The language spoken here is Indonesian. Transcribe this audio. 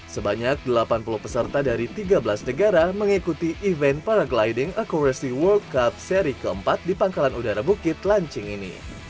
sebanyak delapan puluh peserta dari tiga belas negara mengikuti event paragliding acuracy world cup seri keempat di pangkalan udara bukit lancing ini